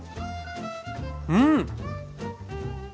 うん！